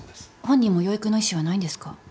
本人も養育の意思はないんですか？